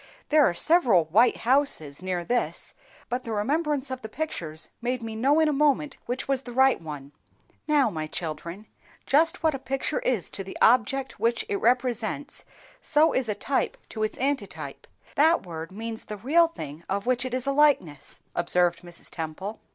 "There are several white houses near this, but the remembrance of the pictures made me know in a moment which was the right one." "Now, my children, just what a picture is to the object which it represents, so is a type to its antitype; that word means the real thing of which it is a likeness," observed Mrs. Temple.